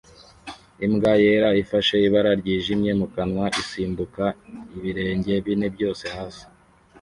Imbwa yera ifashe ibara ryijimye mukanwa isimbuka ibirenge bine byose hasi